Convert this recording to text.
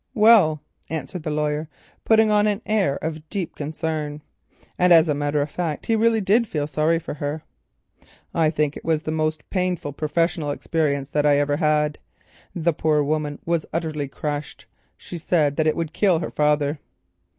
"Well," answered the lawyer, putting on an air of deep concern (and as a matter of fact he really did feel sorry for her), "I think it was the most painful professional experience that I ever had. The poor woman was utterly crushed. She said that it would kill her father."